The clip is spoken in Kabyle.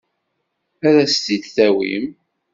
Ad as-t-id-tawim?